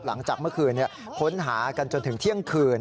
หลังจากเมื่อคืนค้นหากันจนถึงเที่ยงคืน